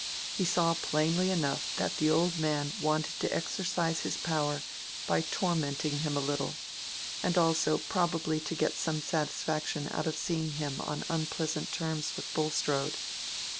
He saw plainly enough that the old man wanted to exercise his power by tormenting him a little, and also probably to get some satisfaction out of seeing him on unpleasant terms with Bulstrode.